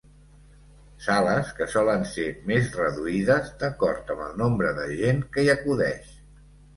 Sales que solen ser més reduïdes d'acord amb el nombre de gent que hi acudeix.